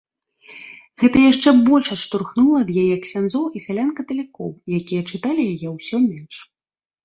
Гэта яшчэ больш адштурхнула ад яе ксяндзоў і сялян-каталікоў, якія чыталі яе ўсё менш.